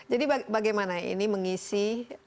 jadi bagaimana ini mengisi